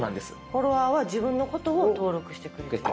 フォロワーは自分のことを登録してくれてる人。